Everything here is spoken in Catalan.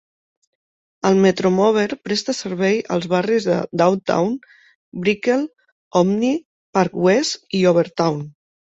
El Metromover presta servei als barris de Downtown, Brickell, Omni, Park West i Overtown.